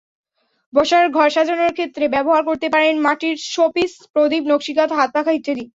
বসার ঘরসাজানোর ক্ষেত্রে ব্যবহার করতে পারেন মাটির শোপিস, প্রদীপ, নকশি কাঁথা, হাতপাখা ইত্যাদি।